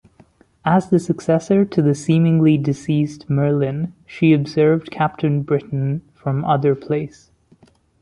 As the successor to the seemingly deceased Merlyn, she observed Captain Britain from Otherplace.